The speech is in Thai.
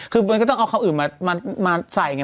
คือมันก็ต้องเอาเขาอื่นมาใส่ไง